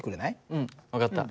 うん分かった。